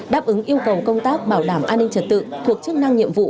đáp ứng yêu cầu công tác bảo đảm an ninh trật tự thuộc chức năng nhiệm vụ